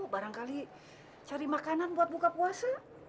barangkali cari makanan buat buka puasa